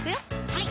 はい